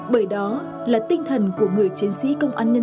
bởi đó là tinh thần của người chiến sĩ công an nhân dân